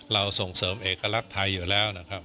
ส่งเสริมเอกลักษณ์ไทยอยู่แล้วนะครับ